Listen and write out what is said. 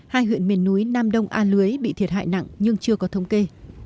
hai huyện miền núi nam đông a lưới bị thiệt hại nặng nhưng chưa có thông kê